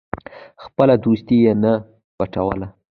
خپله دوستي یې نه پټوله.